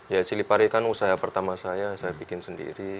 ya cilipari kan usaha pertama saya saya bikin sendiri